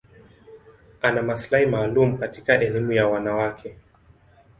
Ana maslahi maalum katika elimu ya wanawake.